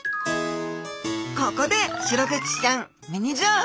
ここでシログチちゃんミニ情報！